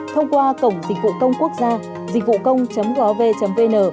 thông qua cổng dịch vụ công quốc gia dịchvucông gov vn